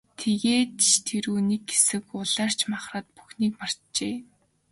Тэгээд ч тэр үү, нэг хэсэг улайрч махраад бүхнийг мартжээ.